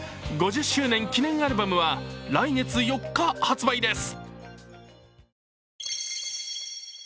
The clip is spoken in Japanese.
５０周年記念アルバムは来月４日発売です。